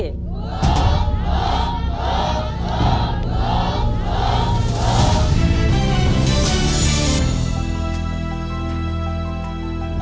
หรอกหรอกหรอกหรอก